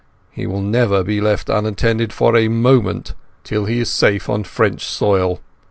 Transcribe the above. He will never be left unattended for a moment till he is safe on French soil.